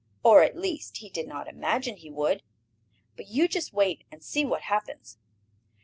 Or, at least, he did not imagine he would. But you just wait and see what happens.